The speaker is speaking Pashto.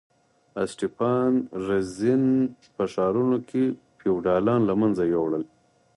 اسټپان رزین په ښارونو کې فیوډالان له منځه یوړل.